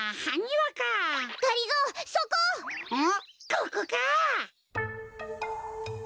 ここか！